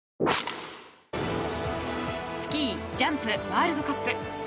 スキージャンプワールドカップ。